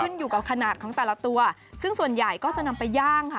อยู่กับขนาดของแต่ละตัวซึ่งส่วนใหญ่ก็จะนำไปย่างค่ะ